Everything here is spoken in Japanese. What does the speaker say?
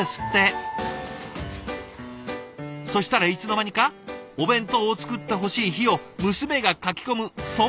そしたらいつの間にかお弁当を作ってほしい日を娘が書き込むそんなシステムに。